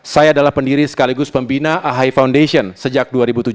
saya adalah pendiri sekaligus pembina ahy foundation sejak dua ribu tujuh belas